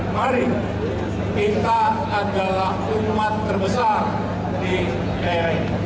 mari kita adalah umat terbesar di nkri